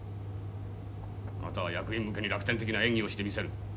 あなたは役員向けに楽天的な演技をしてみせる。